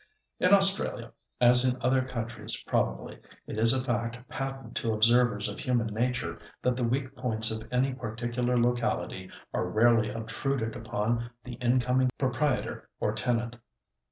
In Australia, as in other countries probably, it is a fact patent to observers of human nature that the weak points of any particular locality are rarely obtruded upon the incoming proprietor or tenant.